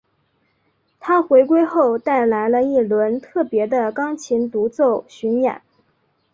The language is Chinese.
她回归后带来了一轮特别的钢琴独奏巡演。